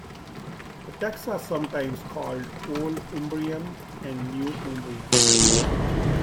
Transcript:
The texts are sometimes called Old Umbrian and New Umbrian.